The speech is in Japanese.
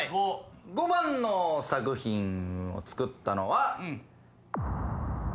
５番の作品を作ったのは。